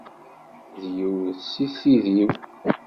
D yiwet seg tid-iw.